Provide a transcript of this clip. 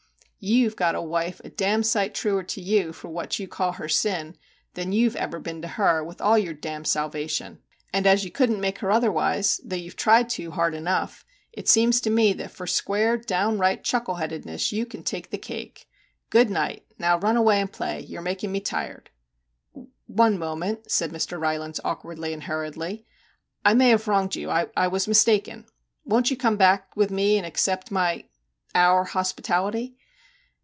You Ve got a wife a d d sight truer to you for what you call her " sin," than you Ve ever been to her, with all your d d salvation ! And as you couldn't make her otherwise, though you Ve tried to hard enough, it seems to me that for square downright chuckle headedness, you can take the cake ! Good night ! Now, run away and play ! You 're making me tired.' ' One moment,' said Mr. Rylands awkwardly and hurriedly. ' I may have wronged you ; I was mistaken. Won't you come back with me and accept my our hospitality